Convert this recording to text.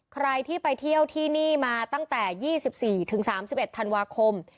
ใครที่ไปเที่ยวที่นี่มาตั้งแต่๒๔ถึง๓๑ธันวาคม